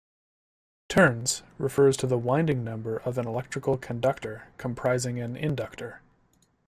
"Turns" refers to the winding number of an electrical conductor comprising an inductor.